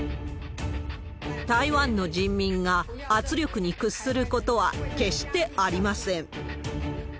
台湾の人民が圧力に屈することは決してありません。